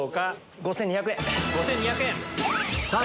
５２００円。